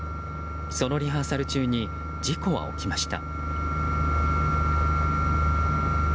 そのリハーサル中に事故は起きました。